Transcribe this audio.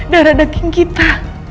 darah daging kita